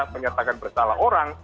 menyatakan bersalah orang